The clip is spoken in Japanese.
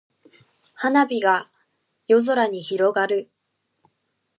花火が夜空に広がる。